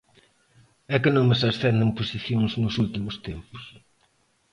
E que nomes ascenden posicións nos últimos tempos?